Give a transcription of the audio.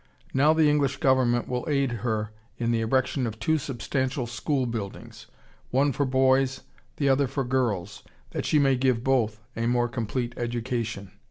Now the English Government will aid her in the erection of two substantial school buildings, one for boys, the other for girls, that she may give both a more complete education."